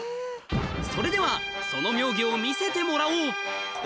それではその妙技を見せてもらおう何